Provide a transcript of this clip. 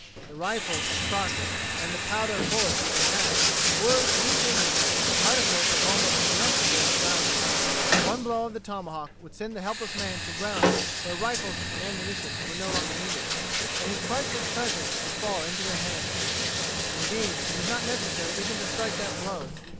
The rifle of Crockett, and the powder and bullets which he had, were, to these Indians, articles of almost inestimable value. One blow of the tomahawk would send the helpless man to realms where rifles and ammunition were no longer needed, and his priceless treasures would fall into their hands. Indeed, it was not necessary even to strike that blow.